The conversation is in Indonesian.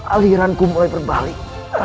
aliranku mulai berbalik